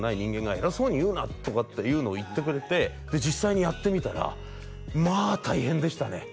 「偉そうに言うな」とかっていうのを言ってくれて実際にやってみたらまあ大変でしたね